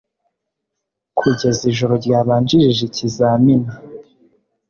kugeza ijoro ryabanjirije ikizamini